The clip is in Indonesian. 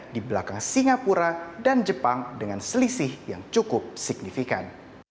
di belakang singapura dan jepang dengan selisih yang cukup signifikan